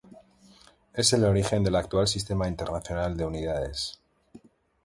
Es el origen del actual Sistema Internacional de Unidades.